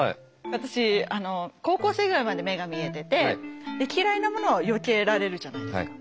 私高校生ぐらいまで目が見えてて嫌いなものはよけられるじゃないですか。